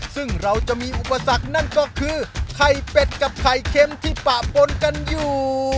ซึ่งเราจะมีอุปสรรคนั่นก็คือไข่เป็ดกับไข่เค็มที่ปะปนกันอยู่